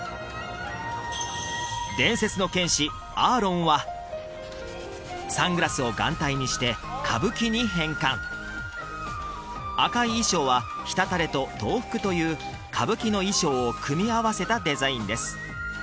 伝説の剣士アーロンはサングラスを眼帯にして歌舞伎に変換赤い衣装は直垂と唐服という歌舞伎の衣装を組み合わせたデザインです